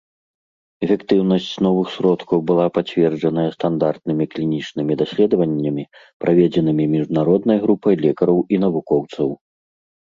Эфектыўнасць новых сродкаў была пацверджаная стандартнымі клінічнымі даследаваннямі, праведзенымі міжнароднай групай лекараў і навукоўцаў.